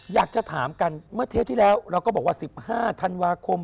อยากจะถามกันเมื่อเทปที่แล้วเราก็บอกว่า๑๕ธันวาคม